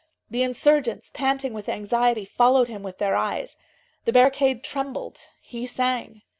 The insurgents, panting with anxiety, followed him with their eyes. The barricade trembled; he sang.